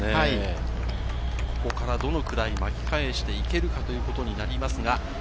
ここからどのくらい巻き返していけるかということになりますが。